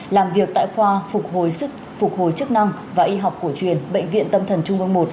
làm việc tại khoa phục hồi chức năng và y học của truyền bệnh viện tâm thần trung vương một